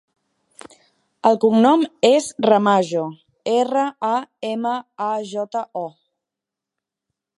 El cognom és Ramajo: erra, a, ema, a, jota, o.